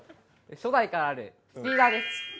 初代からあるスピーダーです。